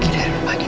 ini rumah mama